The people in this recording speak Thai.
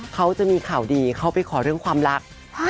เขาจะมีข่าวดีเขาไปขอเรื่องความรัก